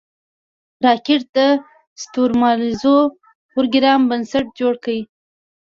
راکټ د ستورمزلو پروګرام بنسټ جوړ کړ